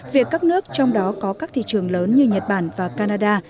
việc các nước trong đó có các thị trường lớn như nhật bản và canada